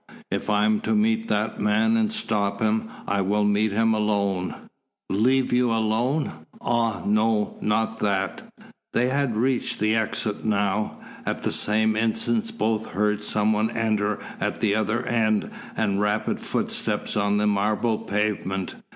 If I am to meet that man and stop him, I will meet him alone." "Leave you alone? Ah no not that " They had reached the exit now. At the same instant both heard some one enter at the other end and rapid footsteps on the marble pavement.